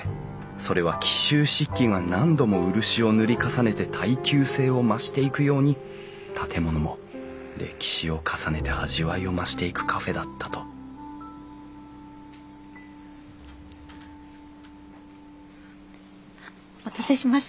それは紀州漆器が何度も漆を塗り重ねて耐久性を増していくように建物も歴史を重ねて味わいを増していくカフェだったとお待たせしました。